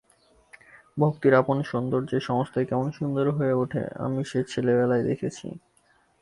ভক্তির আপন সৌন্দর্যে সমস্তই কেমন সুন্দর হয়ে ওঠে সে আমি ছেলেবেলায় দেখেছি।